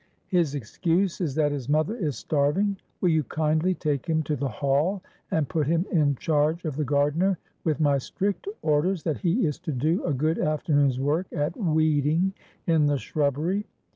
His excuse is that his mother is starving. Will you kindly take him to the Hall, and put him in charge of the gardener, with my strict orders that he is to do a good afternoon's work at weeding in the shrubbery.